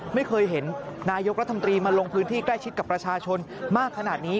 ไม่เคยเห็นนายกรัฐมนตรีมาลงพื้นที่ใกล้ชิดกับประชาชนมากขนาดนี้